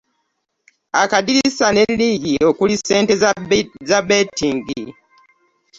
Akadirisa ne Liigi okuli ssemnte z,a bbettingi .